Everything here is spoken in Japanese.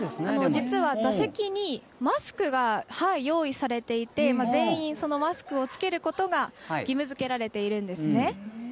実は座席にマスクが用意されていて全員マスクをつけることが義務づけられているんですね。